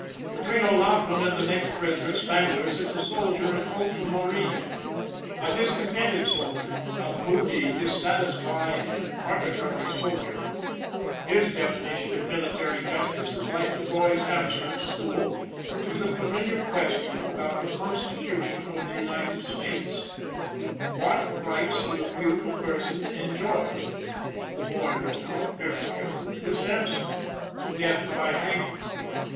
Between O'Laughlin and the next prisoner, Spangler, sits a soldier in ultramarine a discontented soldier, a moody, dissatisfied, and arbitrary soldier. His definition of military justice is like the boy's answer at school to the familiar question upon the Constitution of the United States: "What rights do accused persons enjoy ?" The boy wrote out, very carefully, this answer: "Death by hanging."